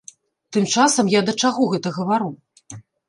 Тым часам я да чаго гэта гавару?